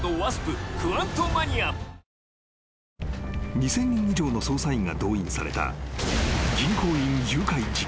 ［２，０００人以上の捜査員が動員された］